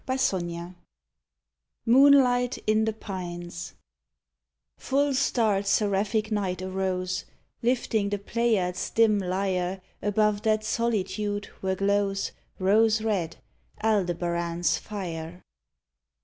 106 MOONLIGHT IN THE PINES Full starred, seraphic Night arose, Lifting the Pleiades' dim lyre Above that solitude where glows Rose red Aldebaran's fire.